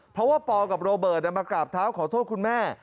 เพราะว่าปอกับโรเบิร์ตมากราบเท้าขอโทษคุณแม่